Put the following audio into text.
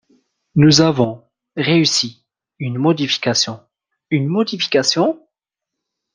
Nous avons… réussi… une modification. Une modification?